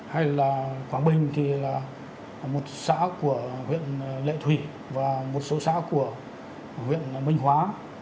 hay là quảng bình thì là một xã của huyện lệ thủy và một số xã của huyện minh hóa